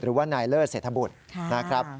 หรือว่านายเลิศเศรษฐบุตรนะครับ